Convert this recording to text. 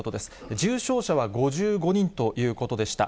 重症者は５５人ということでした。